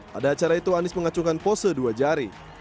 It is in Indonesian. pada acara itu anies mengacungkan pose dua jari